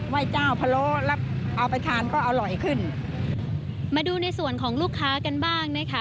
เจ้าพะโล้แล้วเอาไปทานก็อร่อยขึ้นมาดูในส่วนของลูกค้ากันบ้างนะคะ